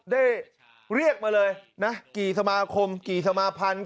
ได้เรียกมาเลยนะกี่สมาคมกี่สมาพันธ์